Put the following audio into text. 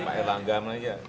pak elanggam lagi ya